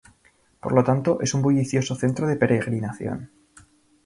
Por lo tanto, es un bullicioso centro de peregrinación.